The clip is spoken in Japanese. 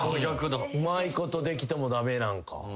うまいことできても駄目なんか。